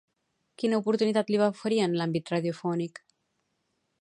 Quina oportunitat li va oferir en l'àmbit radiofònic?